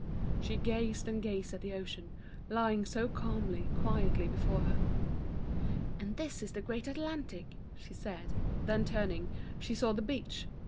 She gazed and gazed at the ocean, lying so calmly, quietly before her. "And this is the great Atlantic," she said, then turning, she saw the beach.